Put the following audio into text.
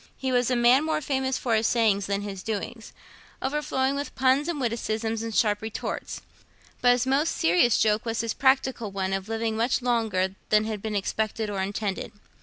He was a man more famous for his sayings than his doings, overflowing with puns and witticisms and sharp retorts; but his most serious joke was his practical one of living much longer than had been expected or intended.